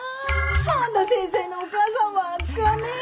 半田先生のお母さんわっかねぇ。